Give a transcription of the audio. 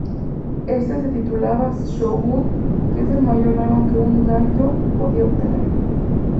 Este se titulaba "shōgun", que es el mayor rango que un daimyō podía obtener.